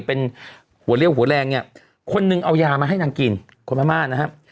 เป็นหัวเลี่ยวหัวแรงคนหนึ่งเอายามาให้นางกินคนน้ำมานนะฮะ